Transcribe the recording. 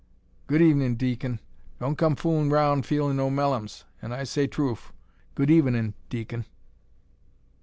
"Good evenin', deacon. Don' come foolin' roun' feelin' no mellums, and I say troof. Good evenin', deacon."